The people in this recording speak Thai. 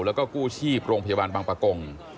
แล้วก็กู้ชีพโรงพยาบาลบางประกง